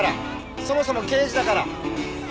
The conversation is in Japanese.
そもそも刑事だから。